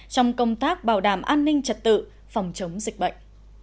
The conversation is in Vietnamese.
trong công tác bảo đảm an ninh trật tự phòng chống dịch bệnh